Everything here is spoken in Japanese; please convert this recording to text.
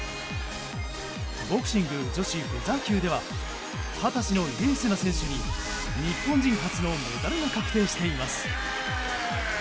ボクシング女子フェザー級では二十歳の入江聖奈選手に日本人初のメダルが確定しています。